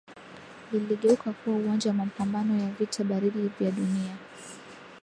liligeuka kuwa uwanja wa mapamabano ya vita baridi vya dunia